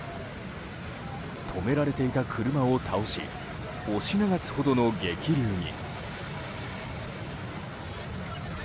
止められていた車を倒し押し流すほどの激流に。